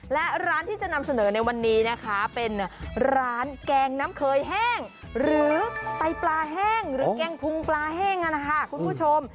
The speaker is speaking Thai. และร้านที่จะนำเสนอในวันนี้นะคะเป็นร้านแกงน้ำเคยแห้งหรือไตปลาแห้งหรือแกงพุงปลาแห้งนะคะคุณผู้ชม